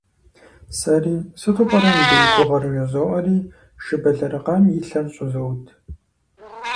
Сэри, сыту пӀэрэ мыбы и гугъэр, жызоӀэри, шы бэлэрыгъам и лъэр щӀызоуд.